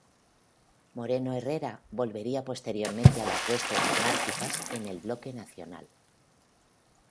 Moreno Herrera volvería posteriormente a las huestes monárquicas en el Bloque Nacional.